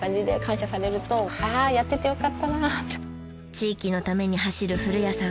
地域のために走る古屋さん。